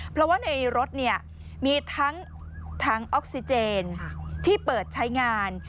เพราะว่าในรถมีทั้งออกซิเจนที่เปิดใช้งาน